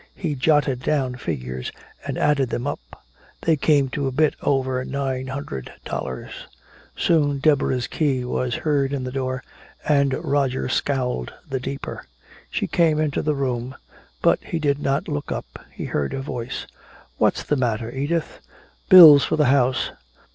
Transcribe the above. He jotted down figures and added them up. They came to a bit over nine hundred dollars. Soon Deborah's key was heard in the door, and Roger scowled the deeper. She came into the room, but he did not look up. He heard her voice: "What's the matter, Edith?" "Bills for the house."